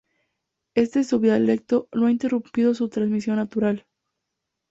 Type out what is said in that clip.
Este subdialecto no ha interrumpido su transmisión natural.